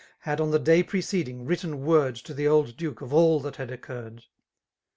Had, 0n Hie day preceding, written word To the old <tu3ke of all that had occurred.